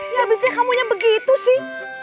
ya abisnya kamu nya begitu sih